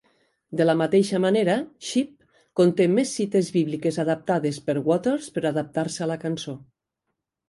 De la mateixa manera, "Sheep", conté més cites bíbliques adaptades per Waters per adaptar-se a la cançó.